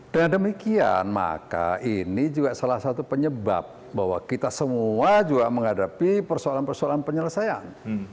dengan demikian maka ini juga salah satu penyebab bahwa kita semua juga menghadapi persoalan persoalan penyelesaian